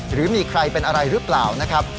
หรือมีใครเป็นอะไรหรือเปล่านะครับ